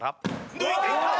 抜いていったー！